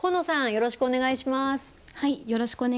よろしくお願いします。